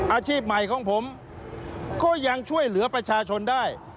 อาชีพใหม่ของผมก็ยังช่วยเหลือประชาชนได้